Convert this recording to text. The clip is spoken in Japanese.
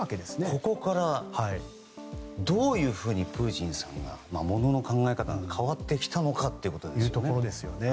ここからどういうふうにプーチンさんがものの考え方が変わってきたのかですよね。